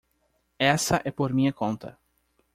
Essa é por minha conta.